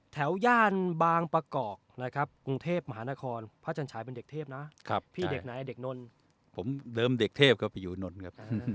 ย่านบางประกอบนะครับกรุงเทพมหานครพระจันชายเป็นเด็กเทพนะพี่เด็กไหนเด็กนนผมเดิมเด็กเทพก็ไปอยู่นนท์ครับ